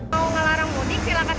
mau ngelarang mudik silakan aja